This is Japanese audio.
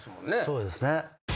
そうですね。